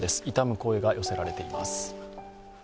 声が寄せられています。